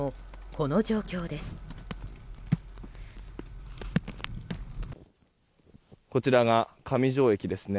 こちらが上条駅です。